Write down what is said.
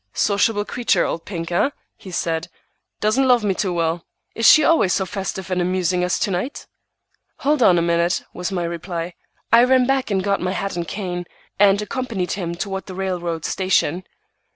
"Sociable creature, old Pink, eh?" he said. "Doesn't love me too well. Is she always as festive and amusing as to night?" "Hold on a minute," was my reply. I ran back and got my hat and cane, and accompanied him toward the railroad station.